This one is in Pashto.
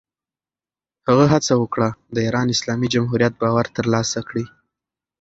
هغه هڅه وکړه، د ایران اسلامي جمهوریت باور ترلاسه کړي.